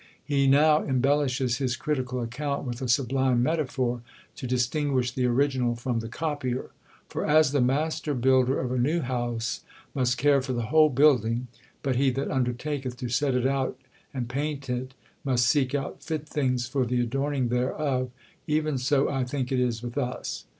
He now embellishes his critical account with a sublime metaphor to distinguish the original from the copier: "For as the master builder of a new house must care for the whole building; but he that undertaketh to set it out, and paint it, must seek out fit things for the adorning thereof; even so I think it is with us.